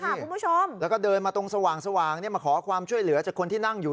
คุณผู้ชมแล้วก็เดินมาตรงสว่างมาขอความช่วยเหลือจากคนที่นั่งอยู่